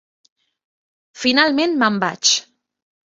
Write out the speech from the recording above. Finalment me'n vaig.